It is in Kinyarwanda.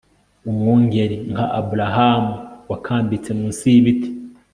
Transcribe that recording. Umwungeri nka Aburahamu wakambitse munsi yibiti